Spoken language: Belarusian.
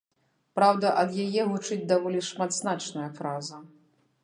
Праўда, ад яе гучыць даволі шматзначная фраза.